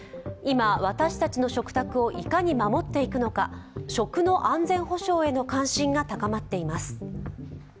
今、私たちの食卓をいかに守っていくのか、食の安全保障への関心が高まっています。